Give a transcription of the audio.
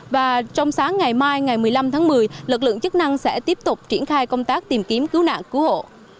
và trong sáng ngày mai ngày một mươi năm tháng một mươi lực lượng chức năng sẽ tiếp tục triển khai công tác tìm kiếm cứu nạn cứu hộ